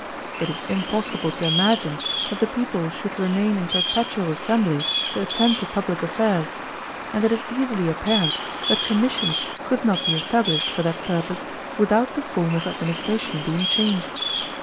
It is impossible to imagine that the people should remain in perpetual assembly to attend to public affairs, and it is easily apparent that commissions could not be established for that purpose without the form of administration being changed.